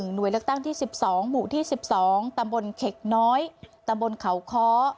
หน่วยเลือกตั้งที่๑๒หมู่ที่๑๒ตำบลเข็กน้อยตำบลเขาค้อ